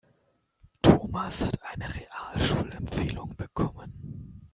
Thomas hat eine Realschulempfehlung bekommen.